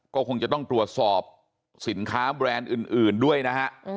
ก็คงจะต้องตรวจสอบสินค้าแบรนด์อื่นด้วยนะฮะ